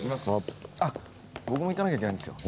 あっ僕も行かなきゃいけないんですよ。